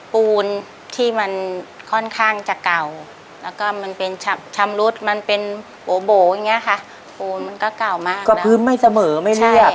ปูนที่มันค่อนข้างจะเก่าแล้วก็มันเป็นฉับชำรุดมันเป็นโบโบ๋อย่างเงี้ยค่ะปูนมันก็เก่ามากก็พื้นไม่เสมอไม่เลือก